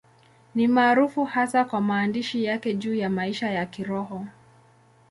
Ni maarufu hasa kwa maandishi yake juu ya maisha ya Kiroho.